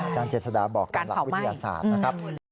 จ้างเจษดาบอกกำลังวิทยาศาสตร์นะครับ